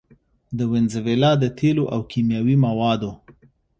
د وينزويلا د تېلو او کيمياوي موادو